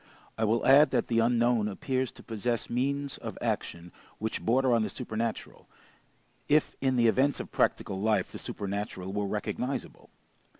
I will add that the unknown appears to possess means of action which border on the supernatural, if in the events of practical life the supernatural were recognizable.